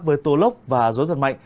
với tổ lốc và gió giật mạnh